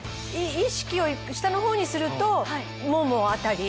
意識を下のほうにするともも辺り。